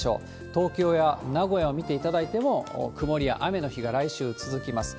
東京や名古屋を見ていただいても、曇りや雨の日が来週続きます。